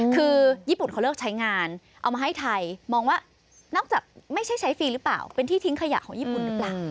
คือญี่ปุ่นเขาเลิกใช้งานเอามาให้ไทยมองว่านอกจากไม่ใช่ใช้ฟรีหรือเปล่าเป็นที่ทิ้งขยะของญี่ปุ่นหรือเปล่า